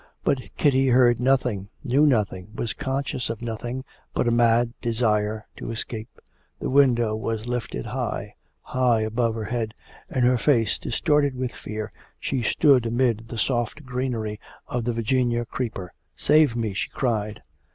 But Kitty heard nothing, knew nothing, was conscious of nothing but a mad desire to escape. The window was lifted high high above her head, and her face distorted with fear, she stood amid the soft greenery of the Virginia creeper. 'Save me!' she cried.